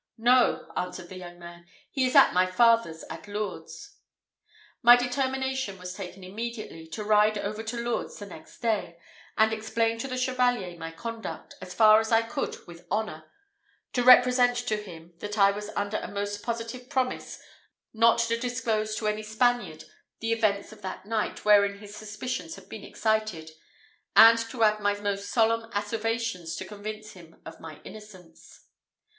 "No," answered the young man; "he is at my father's, at Lourdes." My determination was taken immediately, to ride over to Lourdes the next day, and explain to the Chevalier my conduct, as far as I could with honour; to represent to him, that I was under a most positive promise not to disclose to any Spaniard the events of that night wherein his suspicions had been excited, and to add my most solemn asseverations to convince him of my innocence.